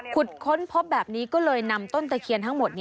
ค้นพบแบบนี้ก็เลยนำต้นตะเคียนทั้งหมด